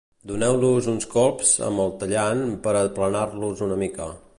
Doneu-los uns colps amb el tallant per a aplanar-los una mica.